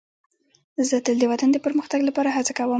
زه تل د وطن د پرمختګ لپاره هڅه کوم.